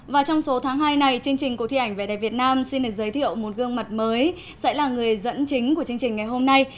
và trong số tháng hai này chương trình cuộc thi ảnh vẻ đẹp việt nam xin được giới thiệu một gương mặt mới sẽ là người dẫn chính của chương trình ngày hôm nay